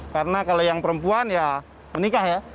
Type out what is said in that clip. karena kalau yang perempuan ya menikah